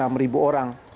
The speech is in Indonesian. dari tujuh puluh enam orang